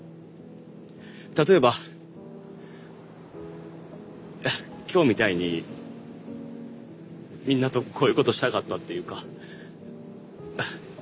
例えば今日みたいにみんなとこういうことしたかったっていうか。